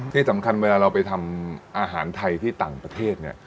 ที่สำคัญเวลาเราไปทำอาหารไทยที่ต่างประเทศเนี่ย